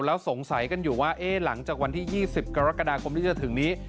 แล้วสงสัยกันอยู่ว่าหลังจากวันที่๒๐กรกฎาคมที่จะถึงนี้